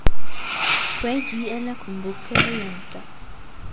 Quei gi ella cun bucca rienta.